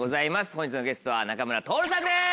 本日のゲストは仲村トオルさんです。